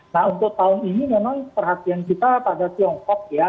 nah untuk tahun ini memang perhatian kita pada tiongkok ya